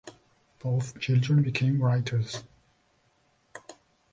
Both children became writers.